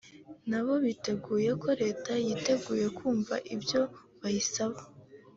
nabo bizeye ko Leta yiteguye kumva ibyo bayisaba